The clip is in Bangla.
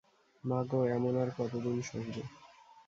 মা গো, এমন আর কতদিন সহিবে।